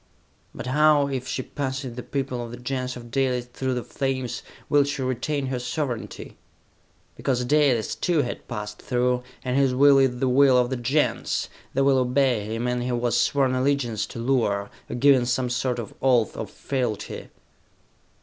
"But how, if she passes the people of the Gens of Dalis through the flames, will she retain her sovereignty?" "Because Dalis, too, has passed through, and his will is the will of the Gens! They will obey him, and he has sworn allegiance to Luar, or given some sort of oath of fealty!"